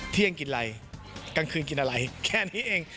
เที่ยงกินอะไรกลางคืนกินอะไรแค่นี้เอง